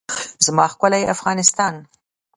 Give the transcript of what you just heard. زما ښکلی افغانستان.